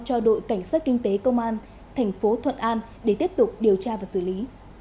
cho đội cảnh sát kinh tế công an tp thuận an để tiếp tục điều tra và xử lý